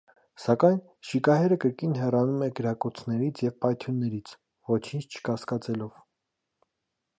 Սակայն շիկահերը կրկին հեռանում է կրակոցներից և պայթյուններից՝ ոչինչ չկասկածելով։